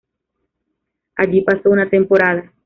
Allí, pasó una temporada.